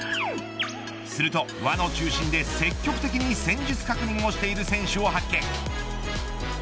すると輪の中心で積極的に戦術確認をしている選手を発見。